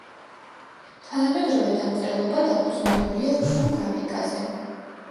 თანამედროვე დამწერლობა დაფუძნებულია რუსულ გრაფიკაზე.